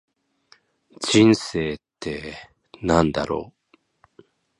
人生って何だろう。